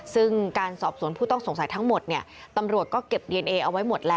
ซึ่งการสอบสวนผู้ต้องสงสัยทั้งหมด